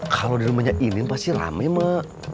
kalau di rumahnya ini pasti rame mak